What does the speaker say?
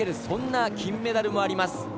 そんな金メダルでもあります。